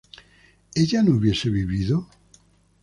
¿ella no hubiese vivido?